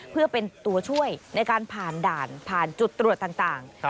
เพื่อเป็นตัวช่วยในการผ่านด่านผ่านจุดตรวจต่าง